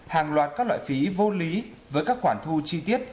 hàng loạt các loại phí vô lý với các khoản thu chi tiết